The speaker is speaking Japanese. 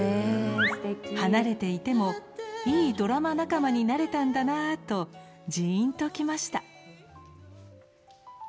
離れていてもいいドラマ仲間になれたんだなとじーんときました。